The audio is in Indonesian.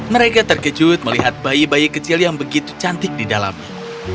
mereka terkejut melihat bayi bayi kecil yang begitu cantik di dalamnya